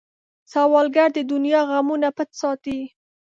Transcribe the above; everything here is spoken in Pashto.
سوالګر د دنیا غمونه پټ ساتي